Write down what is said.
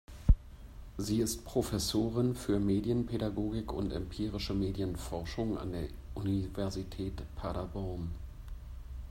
Sie ist Professorin für Medienpädagogik und empirische Medienforschung an der Universität Paderborn.